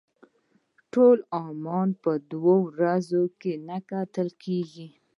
ټول عمان په دوه ورځو کې نه کتل کېږي.